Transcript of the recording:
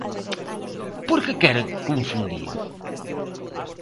¿Por que quere confundir?